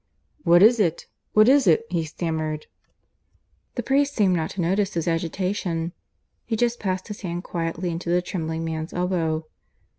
"What is it? What is it?" he stammered. The priest seemed not to notice his agitation; he just passed his hand quietly into the trembling man's elbow.